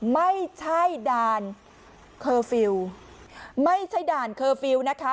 ไม่ใช่ด่านเคอร์ฟิลล์ไม่ใช่ด่านเคอร์ฟิลล์นะคะ